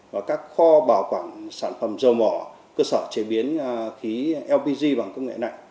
và các kho bảo quản sản phẩm dầu mỏ cơ sở chế biến khí lpg bằng công nghệ này